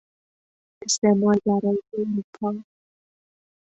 استعمارگرایی اروپا